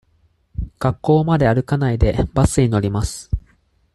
学校まで歩かないで、バスに乗ります。